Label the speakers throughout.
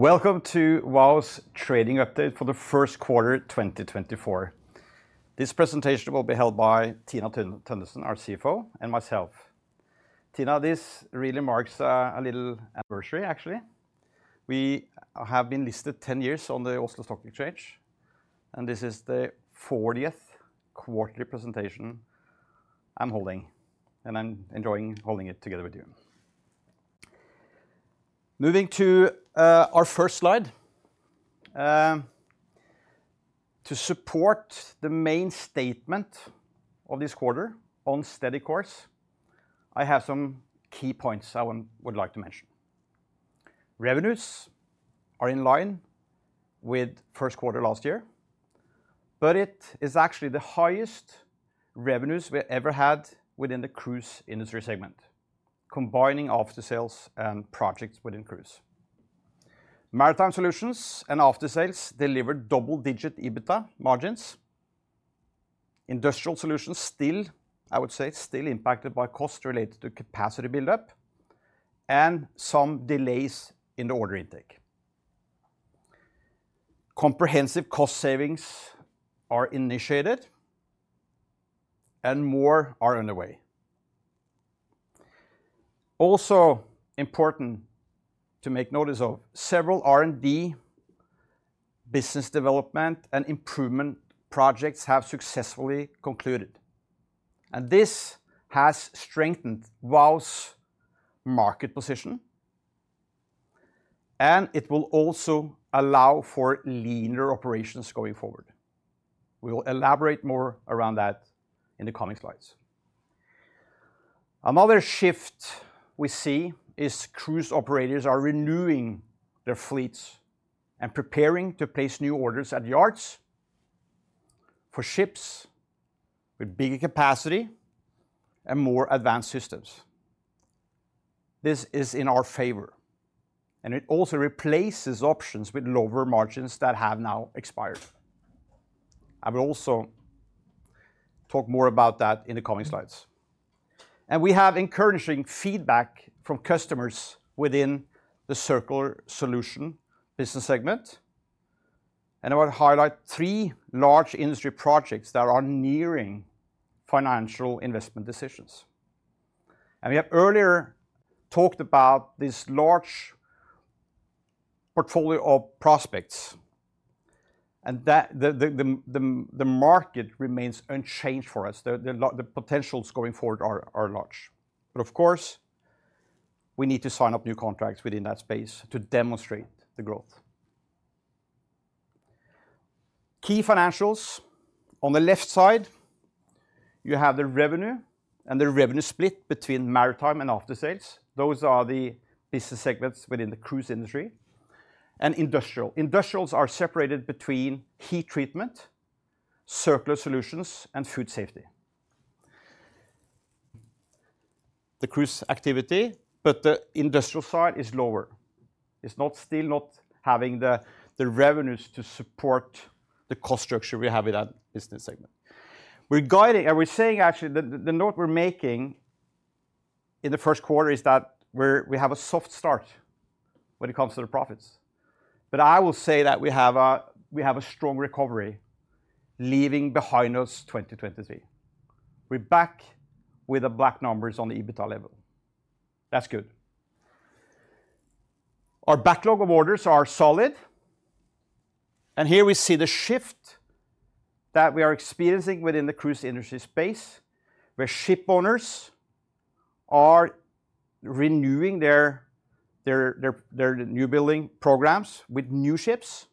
Speaker 1: Welcome to Vow's trading update for the first quarter 2024. This presentation will be held by Tina Tønnessen, our CFO, and myself. Tina, this really marks a little anniversary, actually. We have been listed 10 years on the Oslo Stock Exchange, and this is the 40th quarterly presentation I'm holding, and I'm enjoying holding it together with you. Moving to our first slide. To support the main statement of this quarter on Steady Course, I have some key points I would like to mention. Revenues are in line with first quarter last year, but it is actually the highest revenues we ever had within the cruise industry segment, combining Aftersales and projects within cruise. Maritime Solutions and Aftersales deliver double-digit EBITDA margins. Industrial Solutions still, I would say, still impacted by costs related to capacity buildup and some delays in the order intake. Comprehensive cost savings are initiated, and more are underway. Also important to make note of, several R&D, business development, and improvement projects have successfully concluded, and this has strengthened Vow's market position, and it will also allow for leaner operations going forward. We will elaborate more around that in the coming slides. Another shift we see is cruise operators are renewing their fleets and preparing to place new orders at yards for ships with bigger capacity and more advanced systems. This is in our favor, and it also replaces options with lower margins that have now expired. I will also talk more about that in the coming slides. We have encouraging feedback from customers within the Circular Solutions business segment, and I would highlight three large industry projects that are nearing financial investment decisions. We have earlier talked about this large portfolio of prospects, and the market remains unchanged for us. The potentials going forward are large, but of course, we need to sign up new contracts within that space to demonstrate the growth. Key financials: on the left side, you have the revenue and the revenue split between Maritime and Aftersales. Those are the business segments within the cruise industry. And Industrial: industrials are separated between Heat Treatment, Circular Solutions, and Food Safety. The cruise activity, but the Industrial side is lower. It's still not having the revenues to support the cost structure we have in that business segment. We're guiding, and we're saying actually, the note we're making in the first quarter is that we have a soft start when it comes to the profits, but I will say that we have a strong recovery leaving behind us 2023. We're back with black numbers on the EBITDA level. That's good. Our backlog of orders are solid, and here we see the shift that we are experiencing within the cruise industry space, where shipowners are renewing their newbuilding programs with new ships,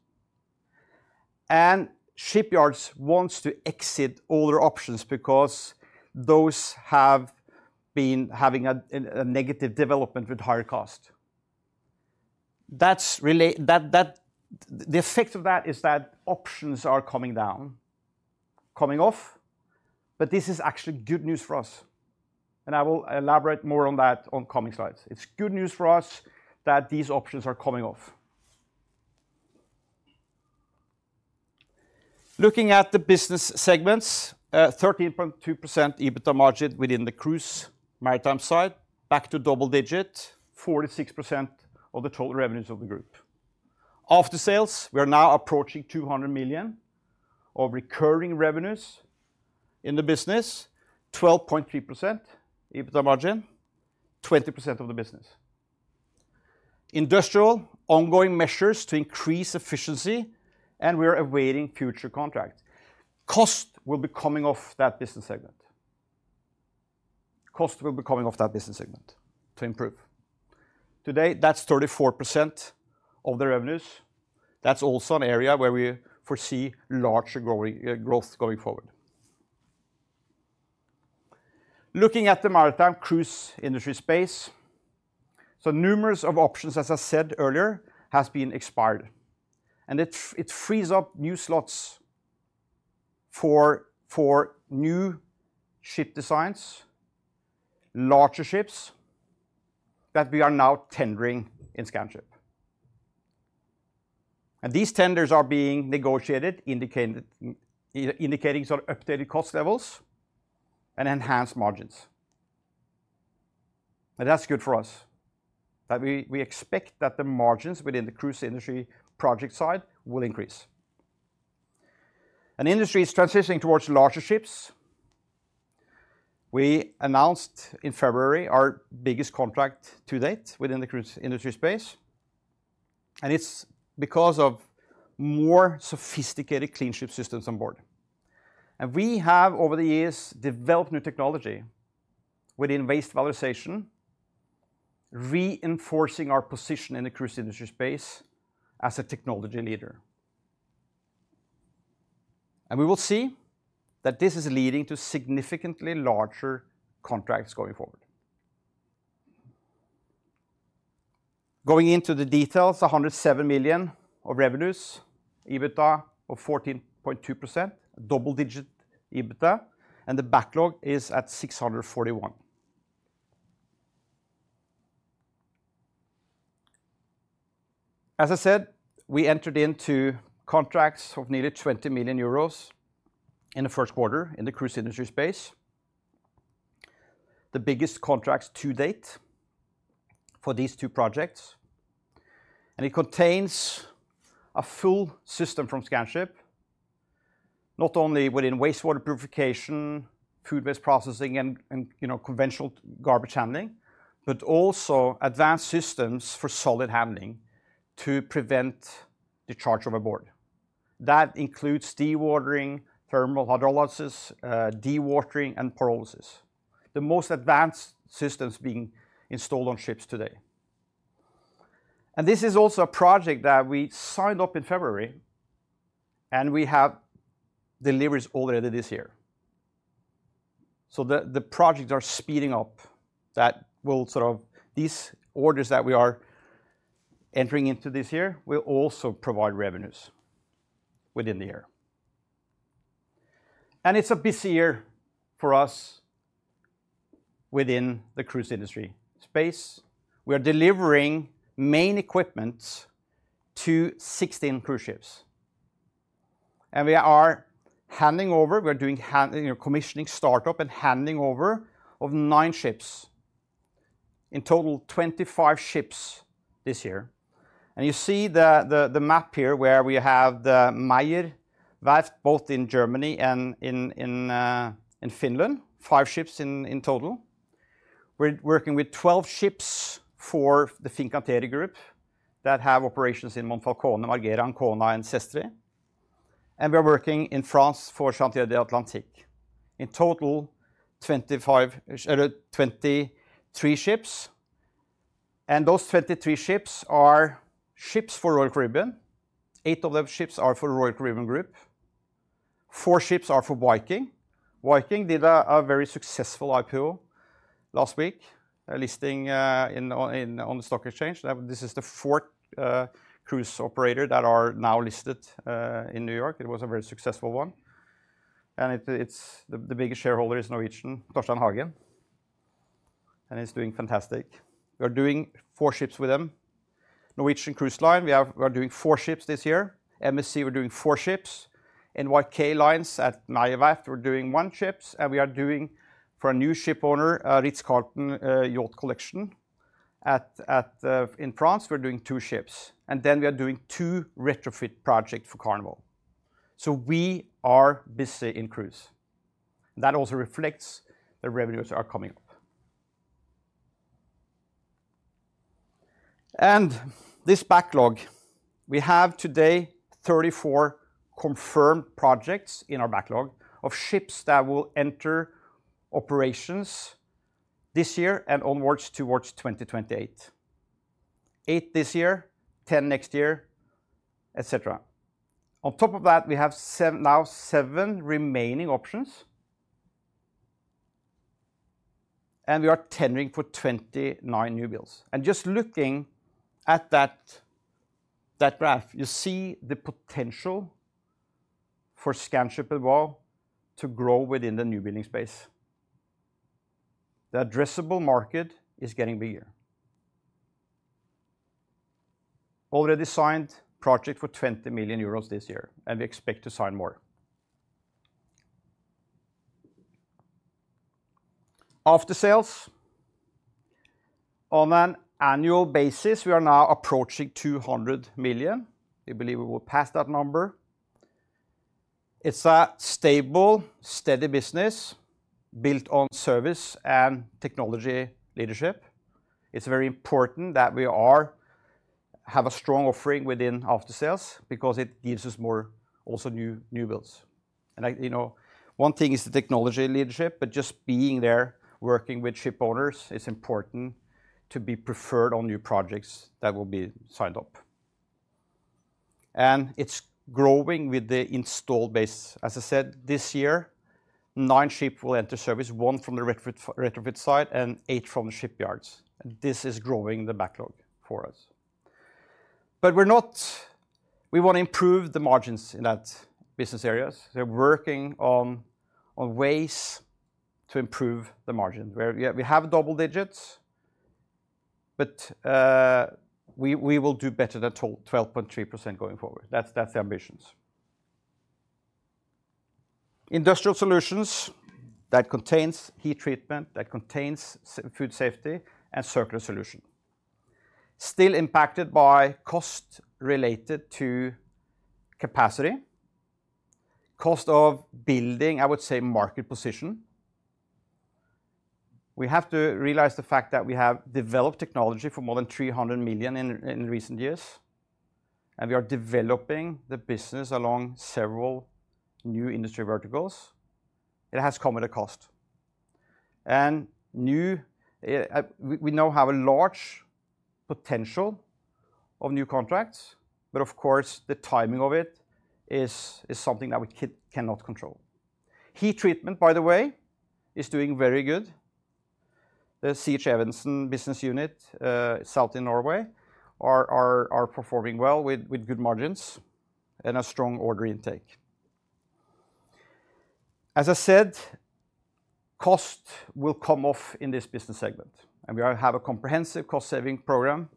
Speaker 1: and shipyards want to exit older options because those have been having a negative development with higher cost. The effect of that is that options are coming down, coming off, but this is actually good news for us, and I will elaborate more on that on coming slides. It's good news for us that these options are coming off. Looking at the business segments, 13.2% EBITDA margin within the cruise maritime side, back to double digit, 46% of the total revenues of the group. After sales, we are now approaching 200 million of recurring revenues in the business, 12.3% EBITDA margin, 20% of the business. Solutions: ongoing measures to increase efficiency, and we are awaiting future contracts. Cost will be coming off that business segment. Cost will be coming off that business segment to improve. Today, that's 34% of the revenues. That's also an area where we foresee larger growth going forward. Looking at the maritime cruise industry space, numerous options, as I said earlier, have expired, and it frees up new slots for new ship designs, larger ships that we are now tendering in Scanship. These tenders are being negotiated, indicating updated cost levels and enhanced margins. That's good for us, that we expect that the margins within the cruise industry project side will increase. Industry is transitioning towards larger ships. We announced in February our biggest contract to date within the cruise industry space, and it's because of more sophisticated clean ship systems on board. We have, over the years, developed new technology within waste valorization, reinforcing our position in the cruise industry space as a technology leader. We will see that this is leading to significantly larger contracts going forward. Going into the details: 107 million of revenues, EBITDA of 14.2%, double digit EBITDA, and the backlog is at 641 million. As I said, we entered into contracts of nearly 20 million euros in the first quarter in the cruise industry space, the biggest contracts to date for these two projects. And it contains a full system from Scanship, not only within wastewater purification, food waste processing, and conventional garbage handling, but also advanced systems for solid handling to prevent discharge overboard. That includes dewatering, thermal hydrolysis, dewatering, and pyrolysis, the most advanced systems being installed on ships today. This is also a project that we signed up in February, and we have deliveries already this year. So the projects are speeding up that will sort of these orders that we are entering into this year will also provide revenues within the year. It's a busy year for us within the cruise industry space. We are delivering main equipment to 16 cruise ships, and we are handing over, we are doing commissioning startup and handing over of nine ships, in total 25 ships this year. You see the map here where we have the Meyer Werft both in Germany and in Finland, five ships in total. We're working with 12 ships for the Fincantieri Group that have operations in Monfalcone, Marghera, Ancona, and Sestri Ponente. We are working in France for Chantiers de l'Atlantique, in total 23 ships. Those 23 ships are ships for Royal Caribbean. Eight of those ships are for Royal Caribbean Group. Four ships are for Viking. Viking did a very successful IPO last week, listing on the stock exchange. This is the fourth cruise operator that is now listed in New York. It was a very successful one. The biggest shareholder is Norwegian, Torstein Hagen, and he's doing fantastic. We are doing four ships with them. Norwegian Cruise Line, we are doing four ships this year. MSC, we're doing four ships. In NYK Line at Meyer Werft, we're doing one ship, and we are doing for a new shipowner, Ritz-Carlton Yacht Collection, in France, we're doing two ships. Then we are doing two retrofit projects for Carnival. So we are busy in cruise. That also reflects the revenues that are coming up. This backlog, we have today 34 confirmed projects in our backlog of ships that will enter operations this year and onwards towards 2028. eight this year, 10 next year, etc. On top of that, we have now seven remaining options, and we are tendering for 29 newbuilds. Just looking at that graph, you see the potential for Scanship and Vow to grow within the new building space. The addressable market is getting bigger. Already signed project for 20 million euros this year, and we expect to sign more. Aftersales: on an annual basis, we are now approaching 200 million. We believe we will pass that number. It's a stable, steady business built on service and technology leadership. It's very important that we have a strong offering within aftersales because it gives us also newbuilds. One thing is the technology leadership, but just being there, working with shipowners, it's important to be preferred on new projects that will be signed up. It's growing with the installed base. As I said, this year, nine ships will enter service, one from the retrofit side and eight from the shipyards. This is growing the backlog for us. We want to improve the margins in that business area. We're working on ways to improve the margin. We have double digits, but we will do better than 12.3% going forward. That's the ambitions. Industrial Solutions that contain Heat Treatment, that contain Food Safety, and Circular Solutions, still impacted by costs related to capacity, cost of building, I would say, market position. We have to realize the fact that we have developed technology for more than 300 million in recent years, and we are developing the business along several new industry verticals. It has come at a cost. We now have a large potential of new contracts, but of course, the timing of it is something that we cannot control. Heat treatment, by the way, is doing very good. The C.H. Evensen business unit south in Norway are performing well with good margins and a strong order intake. As I said, cost will come off in this business segment, and we have a comprehensive cost-saving program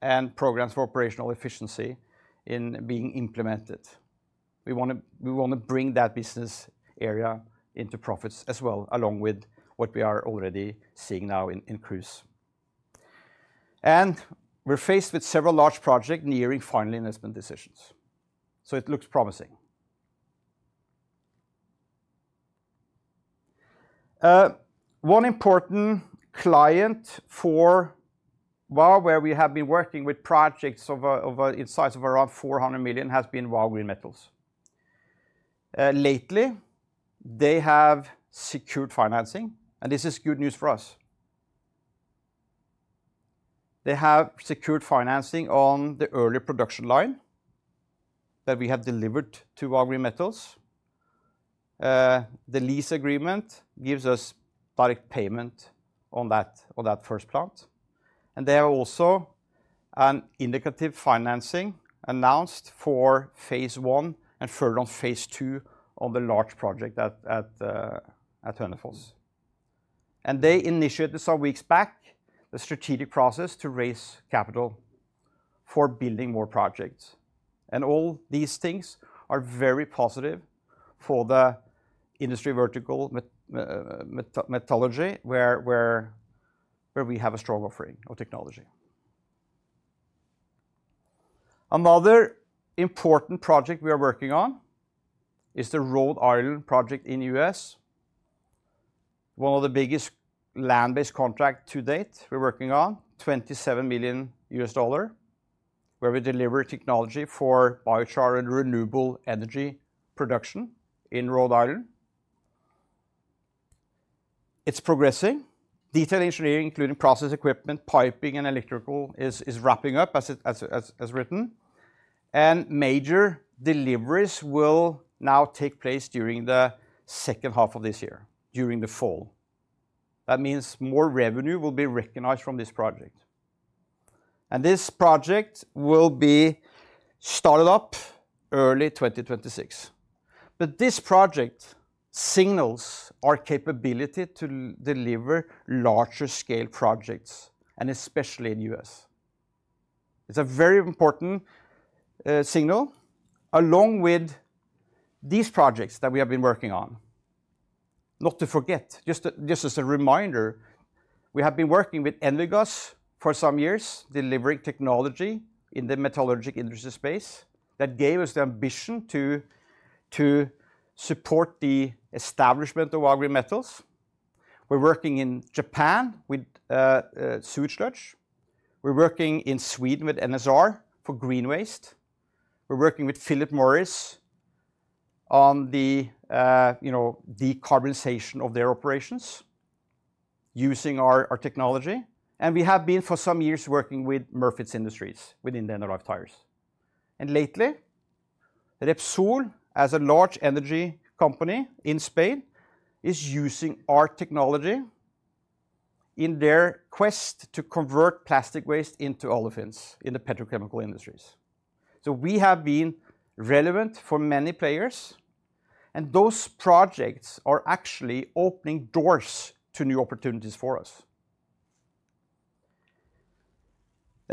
Speaker 1: and programs for operational efficiency in being implemented. We want to bring that business area into profits as well, along with what we are already seeing now in cruise. We're faced with several large projects nearing final investment decisions, so it looks promising. One important client for Vow, where we have been working with projects in size of around 400 million, has been Vow Green Metals. Lately, they have secured financing, and this is good news for us. They have secured financing on the early production line that we have delivered to Vow Green Metals. The lease agreement gives us direct payment on that first plant, and they have also an indicative financing announced for phase one and further on phase two on the large project at Hønefoss. They initiated some weeks back the strategic process to raise capital for building more projects. All these things are very positive for the industry vertical metallurgy, where we have a strong offering of technology. Another important project we are working on is the Rhode Island project in the U.S., one of the biggest land-based contracts to date we're working on, $27 million, where we deliver technology for biochar and renewable energy production in Rhode Island. It's progressing. Detail engineering, including process equipment, piping, and electrical, is wrapping up, as written. And major deliveries will now take place during the second half of this year, during the fall. That means more revenue will be recognized from this project. And this project will be started up early 2026. But this project signals our capability to deliver larger-scale projects, and especially in the U.S. It's a very important signal, along with these projects that we have been working on. Not to forget, just as a reminder, we have been working with Envigas for some years, delivering technology in the metallurgic industry space that gave us the ambition to support the establishment of Vow Green Metals. We're working in Japan with sewage sludge. We're working in Sweden with NSR for green waste. We're working with Philip Morris on the decarbonization of their operations using our technology. And we have been, for some years, working with Murfitts Industries within end-of-life tires. And lately, Repsol, as a large energy company in Spain, is using our technology in their quest to convert plastic waste into olefins in the petrochemical industries. So we have been relevant for many players, and those projects are actually opening doors to new opportunities for us.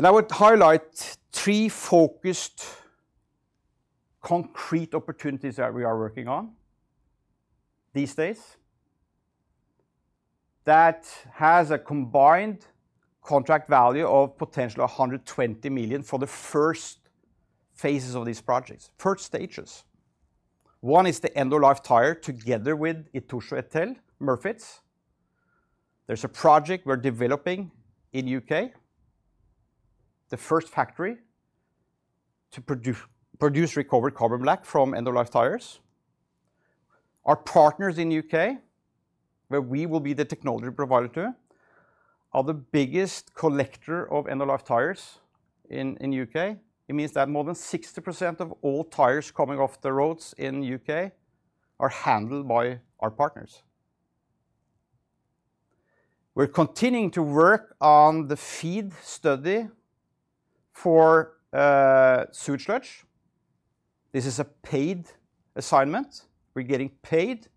Speaker 1: I would highlight three focused concrete opportunities that we are working on these days that have a combined contract value of potentially 120 million for the first phases of these projects, first stages. One is the End-of-Life Tire together with Itochu ETEL, Murfitts. There's a project we're developing in the UK, the first factory to produce recovered carbon black from End-of-Life Tires. Our partners in the UK, where we will be the technology provider to, are the biggest collector of End-of-Life Tires in the UK. It means that more than 60% of all tires coming off the roads in the UK are handled by our partners. We're continuing to work on the FEED study for sewage sludge. This is a paid assignment. We're getting paid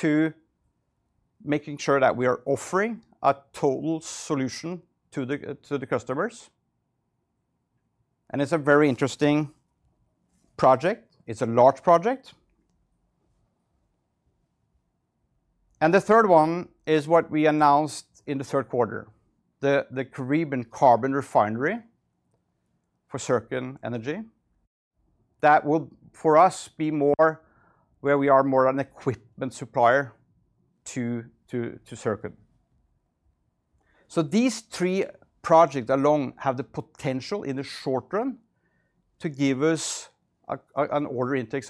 Speaker 1: to make sure that we are offering a total solution to the customers. And it's a very interesting project. It's a large project. The third one is what we announced in the third quarter, the Caribbean Carbon Refinery for Circon Energy. That will, for us, be where we are more an equipment supplier to Circon. So these three projects alone have the potential, in the short run, to give us an order intake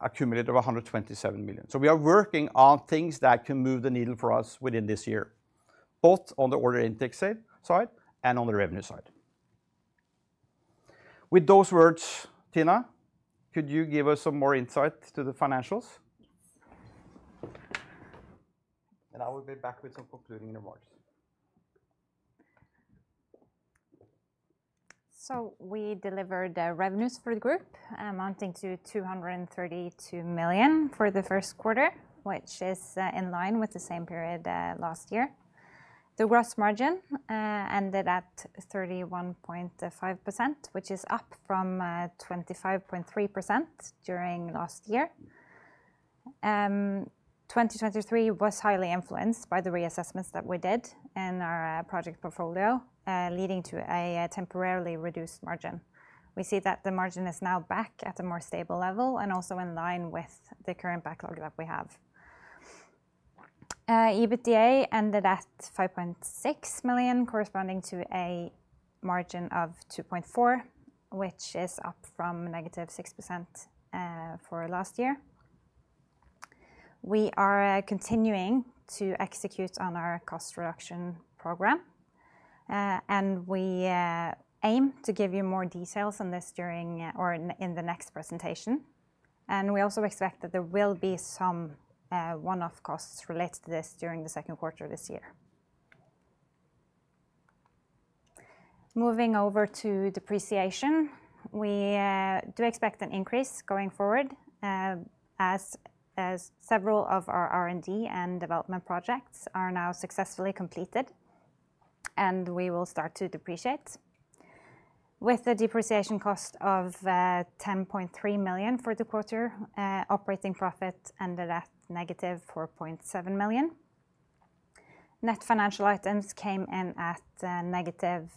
Speaker 1: accumulated of 127 million. So we are working on things that can move the needle for us within this year, both on the order intake side and on the revenue side. With those words, Tina, could you give us some more insight to the financials?
Speaker 2: Yes. I will be back with some concluding remarks.
Speaker 3: So we delivered revenues for the group amounting to 232 million for the first quarter, which is in line with the same period last year. The gross margin ended at 31.5%, which is up from 25.3% during last year. 2023 was highly influenced by the reassessments that we did in our project portfolio, leading to a temporarily reduced margin. We see that the margin is now back at a more stable level and also in line with the current backlog that we have. EBITDA ended at 5.6 million, corresponding to a margin of 2.4%, which is up from -6% for last year. We are continuing to execute on our cost reduction program, and we aim to give you more details on this in the next presentation. And we also expect that there will be some one-off costs related to this during the second quarter of this year. Moving over to depreciation, we do expect an increase going forward as several of our R&D and development projects are now successfully completed, and we will start to depreciate. With a depreciation cost of 10.3 million for the quarter, operating profit ended at negative 4.7 million. Net financial items came in at negative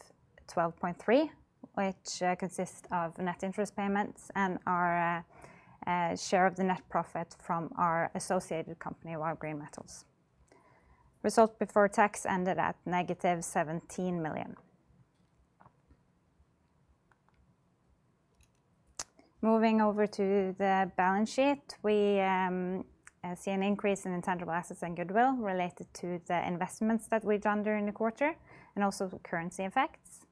Speaker 3: 12.3 million, which consists of net interest payments and our share of the net profit from our associated company, Vow Green Metals. Result before tax ended at negative 17 million. Moving over to the balance sheet, we see an increase in intangible assets and goodwill related to the investments that we've done during the quarter and also currency effects.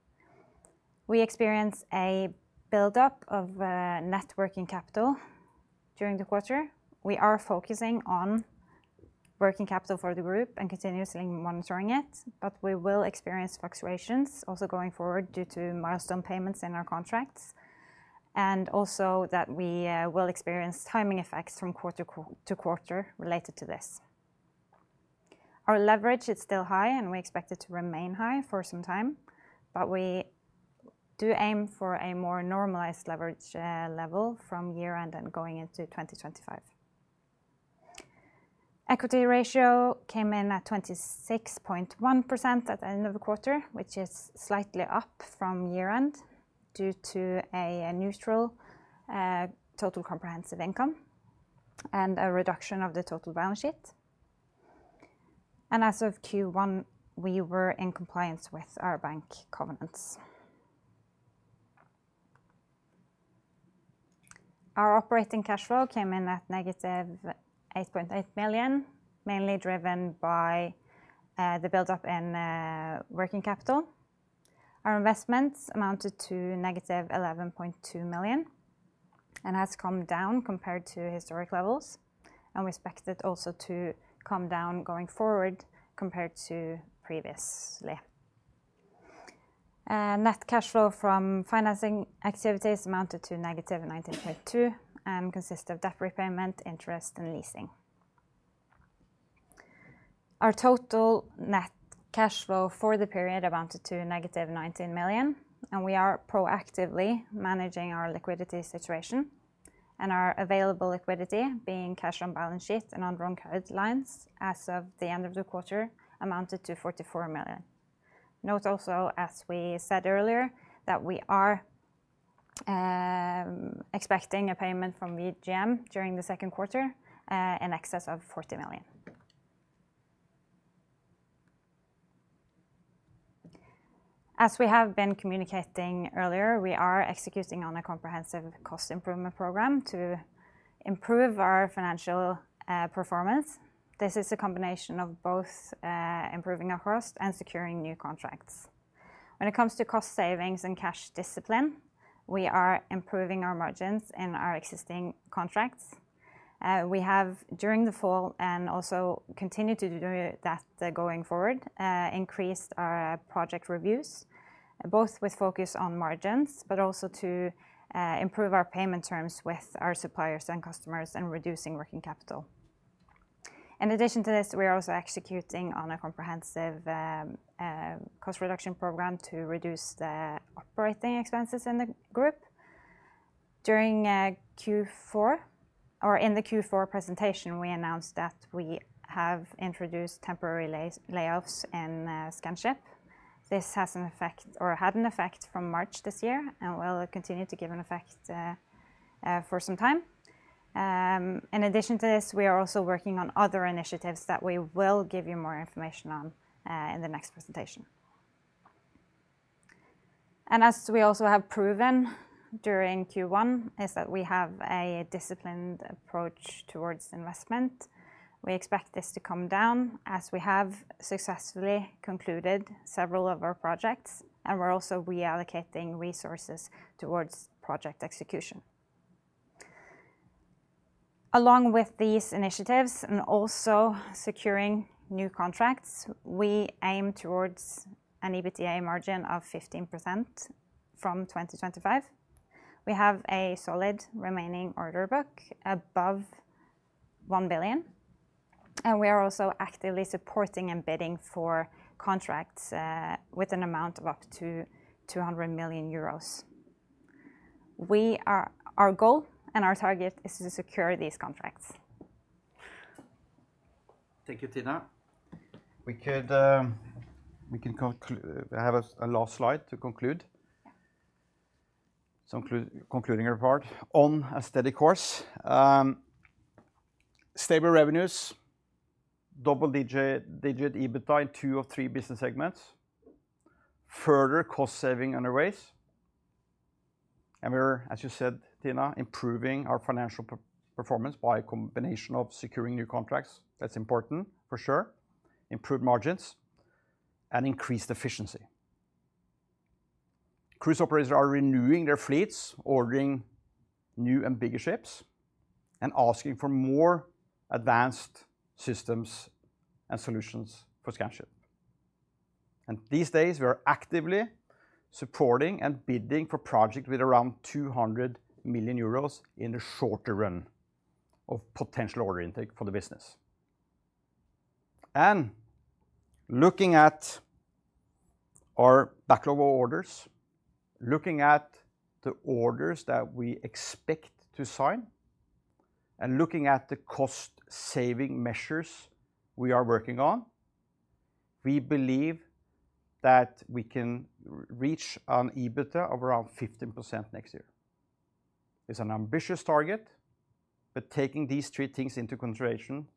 Speaker 3: We experience a buildup of net working capital during the quarter. We are focusing on working capital for the group and continuously monitoring it, but we will experience fluctuations also going forward due to milestone payments in our contracts, and also that we will experience timing effects from quarter to quarter related to this. Our leverage is still high, and we expect it to remain high for some time, but we do aim for a more normalized leverage level from year-end and going into 2025. Equity ratio came in at 26.1% at the end of the quarter, which is slightly up from year-end due to a neutral total comprehensive income and a reduction of the total balance sheet. As of Q1, we were in compliance with our bank covenants. Our operating cash flow came in at negative 8.8 million, mainly driven by the buildup in working capital. Our investments amounted to negative 11.2 million and have come down compared to historic levels, and we expect it also to come down going forward compared to previously. Net cash flow from financing activities amounted to negative 19.2 million and consisted of debt repayment, interest, and leasing. Our total net cash flow for the period amounted to negative 19 million, and we are proactively managing our liquidity situation. Our available liquidity, being cash on balance sheet and on-run credit lines, as of the end of the quarter, amounted to 44 million. Note also, as we said earlier, that we are expecting a payment from VGM during the second quarter in excess of 40 million. As we have been communicating earlier, we are executing on a comprehensive cost improvement program to improve our financial performance. This is a combination of both improving our cost and securing new contracts. When it comes to cost savings and cash discipline, we are improving our margins in our existing contracts. We have, during the fall and also continue to do that going forward, increased our project reviews, both with focus on margins, but also to improve our payment terms with our suppliers and customers and reducing working capital. In addition to this, we are also executing on a comprehensive cost reduction program to reduce the operating expenses in the group. In the Q4 presentation, we announced that we have introduced temporary layoffs in Scanship. This has an effect or had an effect from March this year and will continue to give an effect for some time. In addition to this, we are also working on other initiatives that we will give you more information on in the next presentation. As we also have proven during Q1, is that we have a disciplined approach towards investment. We expect this to come down as we have successfully concluded several of our projects, and we're also reallocating resources towards project execution. Along with these initiatives and also securing new contracts, we aim towards an EBITDA margin of 15% from 2025. We have a solid remaining order book above 1 billion, and we are also actively supporting and bidding for contracts with an amount of up to 200 million euros. Our goal and our target is to secure these contracts.
Speaker 1: Thank you, Tina. We can have a last slide to conclude. Concluding our part on a steady course. Stable revenues, double-digit EBITDA in two of three business segments, further cost saving underway. And we're, as you said, Tina, improving our financial performance by a combination of securing new contracts. That's important for sure, improved margins, and increased efficiency. Cruise operators are renewing their fleets, ordering new and bigger ships, and asking for more advanced systems and solutions for Scanship. And these days, we are actively supporting and bidding for projects with around 200 million euros in the shorter run of potential order intake for the business. And looking at our backlog of orders, looking at the orders that we expect to sign, and looking at the cost-saving measures we are working on, we believe that we can reach an EBITDA of around 15% next year. It's an ambitious target, but taking these three things into consideration,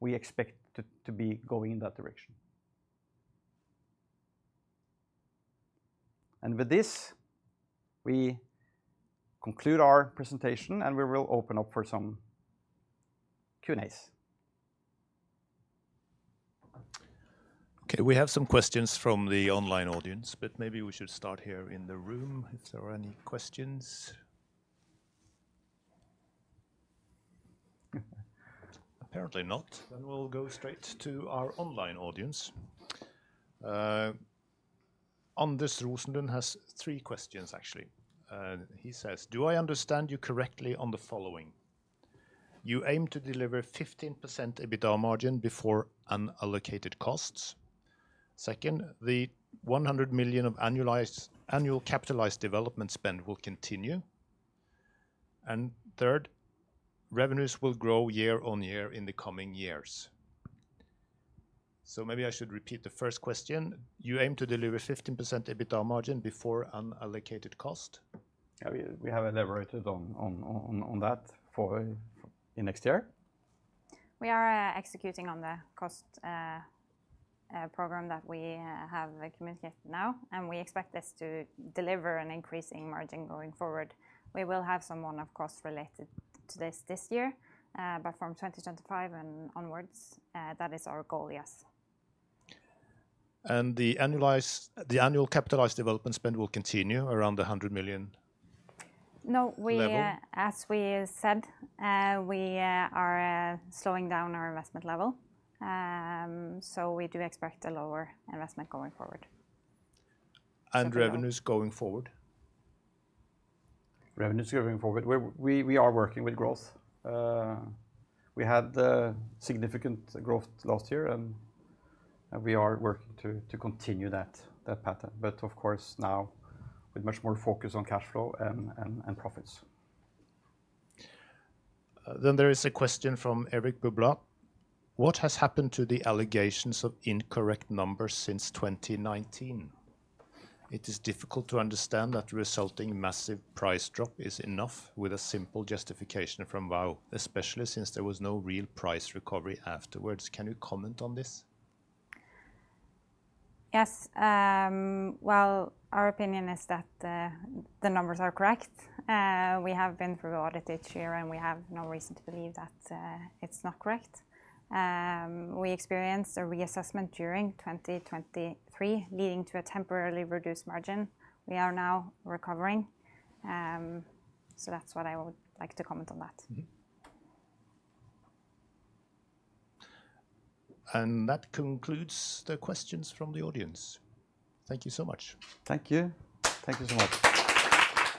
Speaker 1: we expect to be going in that direction. With this, we conclude our presentation, and we will open up for some Q&As. Okay, we have some questions from the online audience, but maybe we should start here in the room if there are any questions. Apparently not. Then we'll go straight to our online audience. Anders Rosenlund has three questions, actually. He says, "Do I understand you correctly on the following? You aim to deliver 15% EBITDA margin before unallocated costs. Second, the 100 million of annualized development spend will continue. And third, revenues will grow year on year in the coming years." So maybe I should repeat the first question. You aim to deliver 15% EBITDA margin before unallocated cost. Yeah, we have elaborated on that for next year.
Speaker 3: We are executing on the cost program that we have communicated now, and we expect this to deliver an increasing margin going forward. We will have some one-off costs related to this this year, but from 2025 and onwards, that is our goal, yes.
Speaker 1: The annual capitalized development spend will continue around the 100 million level?
Speaker 3: No, as we said, we are slowing down our investment level. We do expect a lower investment going forward.
Speaker 1: Revenues going forward? Revenues going forward. We are working with growth. We had significant growth last year, and we are working to continue that pattern. But of course, now with much more focus on cash flow and profits. There is a question from Eric Bublat. "What has happened to the allegations of incorrect numbers since 2019? It is difficult to understand that resulting massive price drop is enough with a simple justification from Vow, especially since there was no real price recovery afterwards. Can you comment on this?
Speaker 3: Yes. Well, our opinion is that the numbers are correct. We have been through audit each year, and we have no reason to believe that it's not correct. We experienced a reassessment during 2023 leading to a temporarily reduced margin. We are now recovering. So that's what I would like to comment on that.
Speaker 1: That concludes the questions from the audience. Thank you so much. Thank you. Thank you so much.